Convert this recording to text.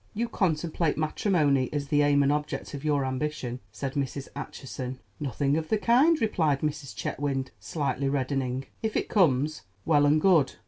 "You contemplate matrimony as the aim and object of your ambition?" said Mrs. Acheson. "Nothing of the kind," replied Mrs. Chetwynd, slightly reddening. "If it comes, well and good.